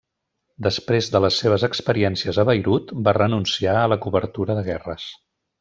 Després de les seves experiències a Beirut va renunciar a la cobertura de guerres.